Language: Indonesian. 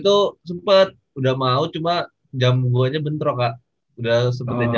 itu sempet udah mau cuma jam gue nya bentro kak udah sempet aja